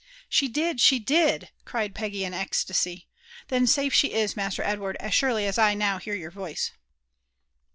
" She did! she did!" cried Peggy in an ecstasy. " Then safe she is, Master Edward, as surely as I now hear your voice."